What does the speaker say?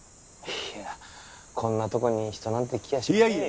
いやぁこんなとこに人なんて来やしませんよ。